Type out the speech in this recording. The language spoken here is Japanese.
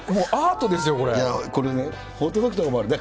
これね、ホットドッグとかもあるね。